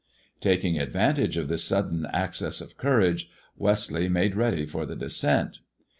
Taking advantage of this sudden access of courage Westleigh made ready for the descent.